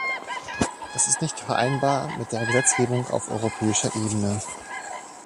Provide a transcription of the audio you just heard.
Das ist nicht vereinbar mit der Gesetzgebung auf europäischer Ebene.